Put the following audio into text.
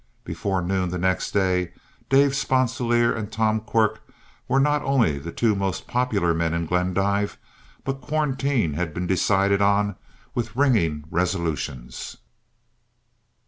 Before noon the next day, Dave Sponsilier and Tom Quirk were not only the two most popular men in Glendive, but quarantine had been decided on with ringing resolutions.